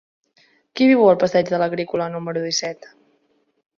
Qui viu al passeig de l'Agrícola número disset?